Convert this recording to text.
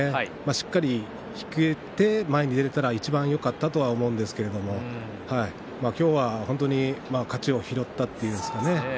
しっかり引けて前に出られたらいちばんよかったと思うんですけれども今日は本当に勝ちを拾ったというんですかね